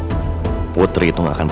beri bella ke redes ii sejak kemana